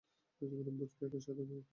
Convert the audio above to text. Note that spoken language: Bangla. বুঝবে এবং একসাথে উপভোগ করবে।